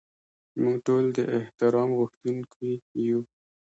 موږ ټول د احترام غوښتونکي یو.